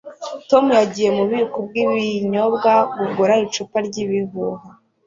tom yagiye mububiko bwibinyobwa kugura icupa ryibihuha